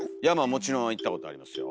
もちろん行ったことありますよ。